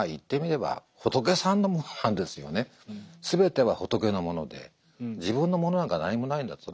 すべては仏のもので自分のものなんか何もないんだと。